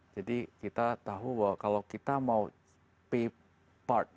jadi kita tahu bahwa kalau kita mau pay part